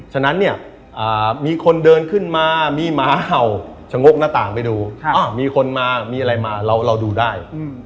ฉะนั้นเนี่ยมีคนเดินขึ้นมามีหมาเห่าชะงกหน้าต่างไปดูมีคนมามีอะไรมาเราดูได้